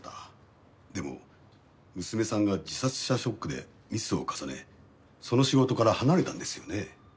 でも娘さんが自殺したショックでミスを重ねその仕事から離れたんですよね。